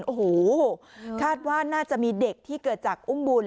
โอ้โหคาดว่าน่าจะมีเด็กที่เกิดจากอุ้มบุญ